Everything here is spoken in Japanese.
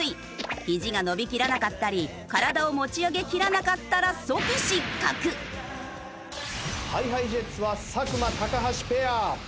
ひじが伸びきらなかったり体を持ち上げきらなかったら即失格！ＨｉＨｉＪｅｔｓは作間橋ペア。